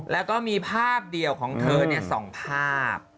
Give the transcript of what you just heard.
แล้วก็มีภาพเดียวของเธอ๒ภาพ